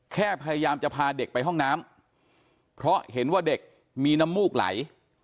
พยายามจะพาเด็กไปห้องน้ำเพราะเห็นว่าเด็กมีน้ำมูกไหล